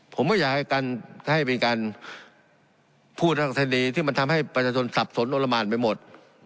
ผมไม่อยากให้เป็นการพูดทั้งทั้งทันดีที่มันทำให้ประชาชนสับสนโรมานไปหมด